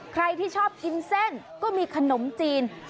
ใครที่ชอบกินเส้นก็มีขนมจีน